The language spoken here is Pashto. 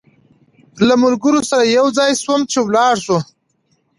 له ملګرو سره یو ځای شوم چې ولاړ شو.